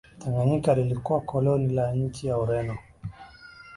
Tanganyika lilikuwa koloni la nchi ya Ureno